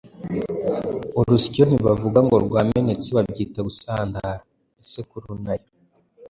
Urusyo ntibavuga ngo rwamenetse babyita gusandara. Isekuru na yo